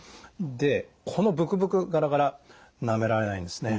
でこのブクブクガラガラなめられないんですね。